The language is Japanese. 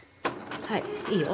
はいいいよ。